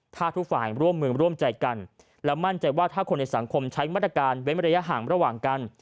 ถ้าทุกฝ่ายร่วมมือร่วมใจกันและมั่นใจว่าถ้าคนในสังคมใช้มาตรการเว้นระยะห่างระหว่างกัน